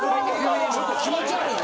ちょっと気持ち悪いね。